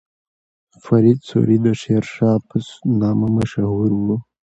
فرید سوري د شیرشاه په نامه مشهور و.